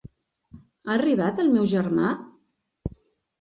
Ha arribat el meu germà?